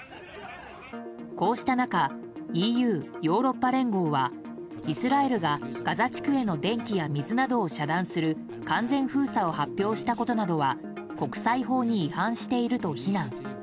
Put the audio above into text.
こうした中ＥＵ・ヨーロッパ連合はイスラエルが、ガザ地区への電気や水などを遮断する完全封鎖を発表したことなどは国際法に違反していると非難。